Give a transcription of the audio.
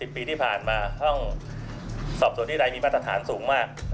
ปีที่ผ่านมาห้องสอบส่วนที่ใดมีมาตรฐานสูงมาก